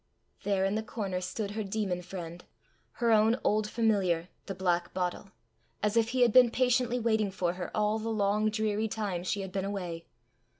There in the corner stood her demon friend! her own old familiar, the black bottle! as if he had been patiently waiting for her all the long dreary time she had been away!